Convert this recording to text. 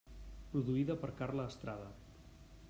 Produïda per Carla Estrada.